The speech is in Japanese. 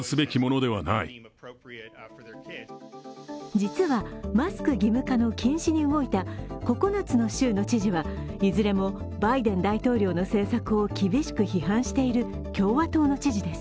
実は、マスク義務化の禁止に動いた９つの州の知事はいずれもバイデン大統領の政策を厳しく批判している共和党の知事です。